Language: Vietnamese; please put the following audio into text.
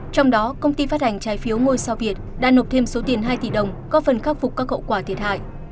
trong đó công ty phát hành trái phiếu ngôi sao việt đã nộp thêm số tiền hai tỷ đồng có phần khắc phục các hậu quả thiệt hại